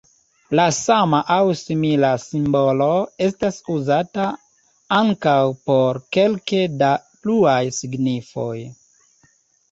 La sama aŭ simila simbolo estas uzata ankaŭ por kelke da pluaj signifoj.